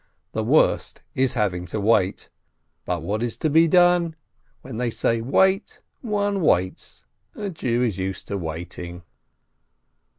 The worst is having to wait. But what is to be done ? When they say, Wait ! one waits. A Jew is used to waiting.